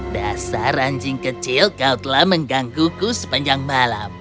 dasar anjing kecil kau telah menggangguku sepanjang malam